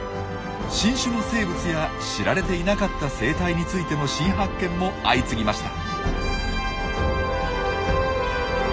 新種の生物や知られていなかった生態についての新発見も相次ぎました。